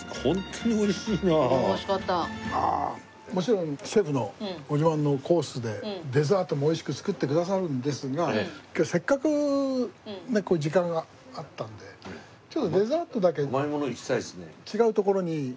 もちろんシェフのご自慢のコースでデザートも美味しく作ってくださるんですが今日せっかくね時間があったんでちょっとデザートだけ違う所に。